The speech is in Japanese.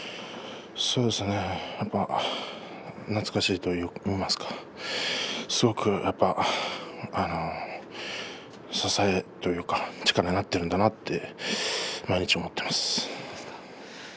そうですね、やっぱり懐かしいといいますかすごく、やっぱり支えいうか力になっているんだなと毎日、思っています。